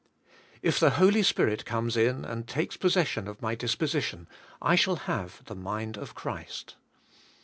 If the Holy Spirit comes in and takes possession of my disposition I shall have the mind of Christ.